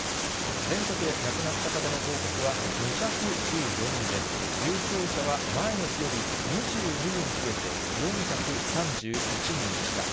全国で亡くなった方の報告は２１４人で、重症者は前の日より２２人増えて４３１人でした。